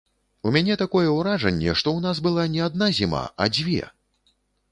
У мяне такое ўражанне, што ў нас была не адна зіма, а дзве!